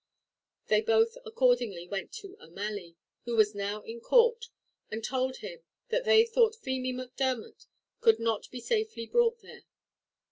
They both accordingly went to O'Malley, who was now in court, and told him that they thought Feemy Macdermot could not be safely brought there.